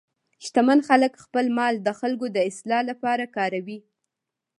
شتمن خلک خپل مال د خلکو د اصلاح لپاره کاروي.